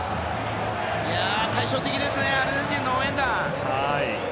対照的ですねアルゼンチンの応援団。